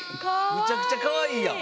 むちゃくちゃかわいいやん。